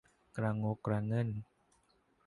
กระงกกระเงิ่น